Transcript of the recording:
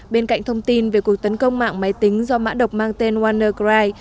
bên cạnh thông tin về cuộc tấn công mạng máy tính do mã độc mang tên wannacry